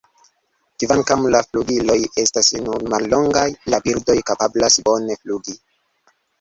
Kvankam la flugiloj estas nur mallongaj, la birdoj kapablas bone flugi.